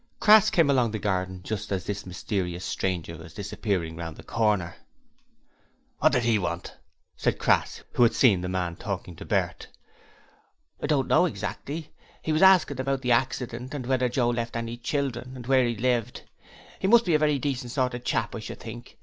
Crass came along the garden just as the mysterious stranger was disappearing round the corner. 'What did HE want?' said Crass, who had seen the man talking to Bert. 'I don't know exactly; he was asking about the accident, and whether Joe left any children, and where he lived. He must be a very decent sort of chap, I should think.